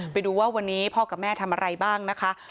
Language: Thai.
ไปดูว่าวันนี้พ่อกับแม่ทำอะไรบ้างนะคะ